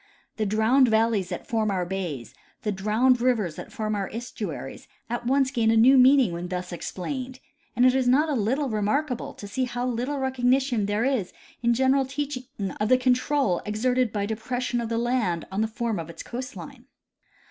The drowned valleys that form our bays, the drowned rivers that form our estuaries, at once gain a new meaning when thus explained ; and it is not a little remark able to see how little recognition there is in general teaching of the control exerted by depression of the land on the form of its coast line.